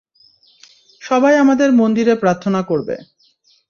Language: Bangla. সবাই আমাদের মন্দিরে প্রার্থনা করবে।